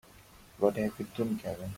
What have you done Kevin?